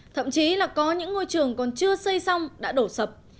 thậm chí là có những ngôi trường còn chưa xây xong đã đổ sập